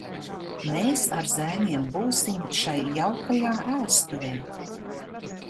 Mēs ar zēniem būsim šai jaukajā ēstuvē!